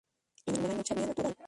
En el mar hay mucha vida natural.